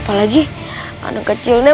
apalagi anak kecilnya